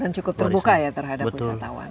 dan cukup terbuka ya terhadap wisatawan